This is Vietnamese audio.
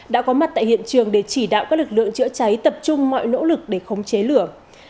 đã có mặt tại hiện trường để chỉ đạo các lực lượng chữa cháy tập trung mọi nỗ lực để khống chế lửa